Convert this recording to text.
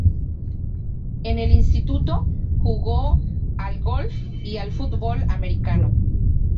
En el instituto, jugó al golf y al fútbol americano.